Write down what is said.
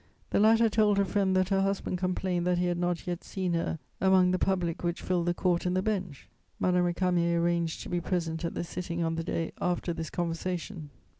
The latter told her friend that her husband complained that he had not yet seen her among the public which filled the court and the bench. Madame Récamier arranged to be present at the sitting on the day after this conversation.